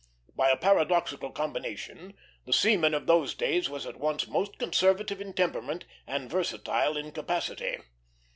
By a paradoxical combination, the seaman of those days was at once most conservative in temperament and versatile in capacity.